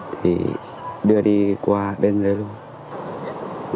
thì đưa đi qua bên dưới luôn